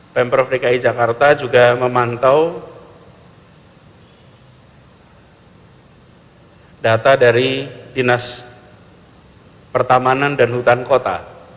pemprov dki jakarta juga memantau data dari dinas pertamanan dan hutan kota